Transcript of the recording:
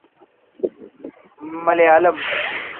Malayalam